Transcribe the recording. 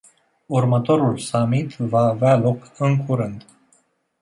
Următorul summit va avea loc în curând.